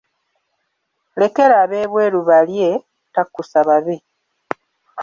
"Lekera ab'ebweru balye", takkusa babe.